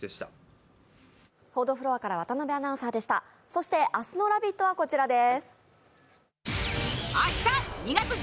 そして明日の「ラヴィット！」はこちらです